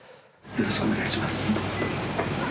よろしくお願いします。